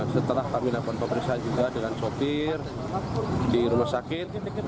setelah kami lakukan pemeriksaan juga dengan sopir di rumah sakit